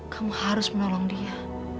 kamu harus menolong dia